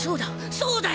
そうだよ！